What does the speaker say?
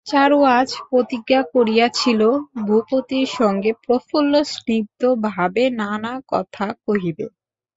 চারু আজ প্রতিজ্ঞা করিয়াছিল, ভূপতির সঙ্গে প্রফুল্ল স্নিগ্ধভাবে নানা কথা কহিবে।